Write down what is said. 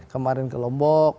kemarin ke lombok